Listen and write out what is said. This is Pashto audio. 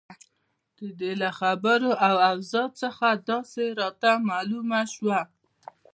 د دې له خبرو او اوضاع څخه داسې راته معلومه شوه.